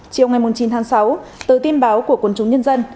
chiều ngày chín tháng sáu từ tin báo của quân chúng nhân dân